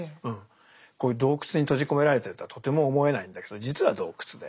こういう洞窟に閉じ込められてるとはとても思えないんだけど実は洞窟で。